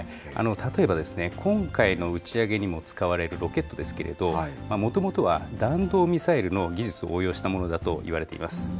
例えば、今回の打ち上げにも使われるロケットですけれども、もともとは弾道ミサイルの技術を応用したものだといわれています。